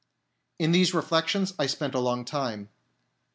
In these reflections I spent a long time.